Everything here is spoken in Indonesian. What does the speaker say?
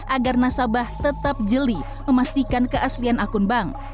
agar nasabah tetap jeli memastikan keaslian akun bank